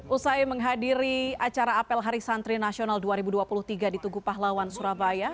usai menghadiri acara apel hari santri nasional dua ribu dua puluh tiga di tugu pahlawan surabaya